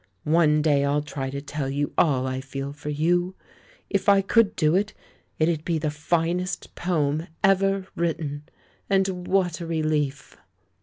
One day I'll try to tell you all I feel for you. If I could do it, it'd be the finest poem ever written. And what a relief!"